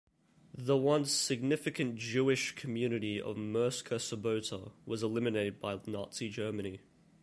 The once significant Jewish community of Murska Sobota was eliminated by Nazi Germany.